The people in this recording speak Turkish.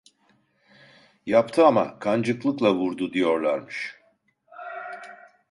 Yaptı ama kancıklıkla vurdu diyorlarmış!